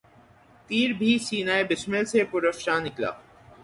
تیر بھی سینۂ بسمل سے پرافشاں نکلا